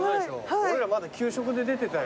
俺らまだ給食で出てたよ。